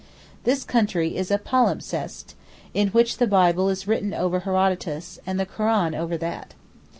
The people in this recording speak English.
This country is a palimpsest, in which the Bible is written over Herodotus, and the Koran over that.